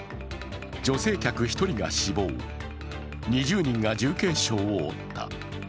女性客１人が死亡、２０人が重軽傷を負った。